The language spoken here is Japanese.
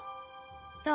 どう？